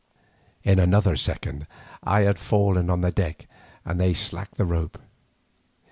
In another second I had fallen on the deck as they slacked the rope.